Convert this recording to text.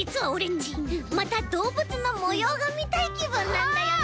ちまたどうぶつのもようがみたいきぶんなんだよね。